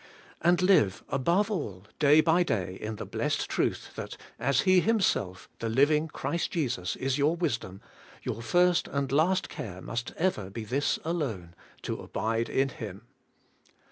And live, above all, day by day in the blessed truth that, as He Himself, the living Christ Jesus, is your wisdom, your first and last care must ever be this alone, — to abide in Him.